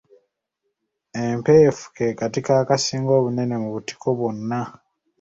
Empeefu kekatiko akasinga obunene mu butiko bwonna.